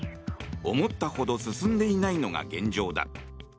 思ったほど進んでいないのが現状だ。